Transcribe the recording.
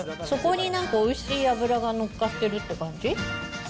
そこに、なんかおいしい油がのっかってるって感じ。